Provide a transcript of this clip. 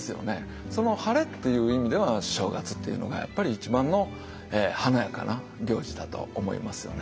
そのハレっていう意味では正月っていうのがやっぱり一番の華やかな行事だと思いますよね。